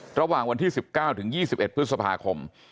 ระหว่างวันที่๑๙ถึง๒๑พฤษภาคม